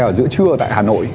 ở giữa trưa tại hà nội